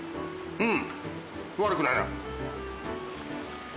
うん！